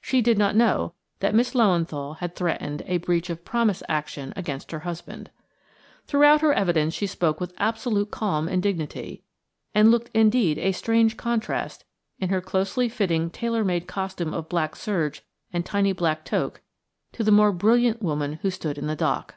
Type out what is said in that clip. She did not know that Miss Löwenthal had threatened a breach of promise action against her husband. Throughout her evidence she spoke with absolute calm and dignity, and looked indeed a strange contrast, in her closely fitting tailor made costume of black serge and tiny black toque, to the more brilliant woman who stood in the dock.